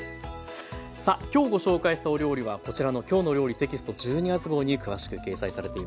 さあ今日ご紹介したお料理はこちらの「きょうの料理」テキスト１２月号に詳しく掲載されています。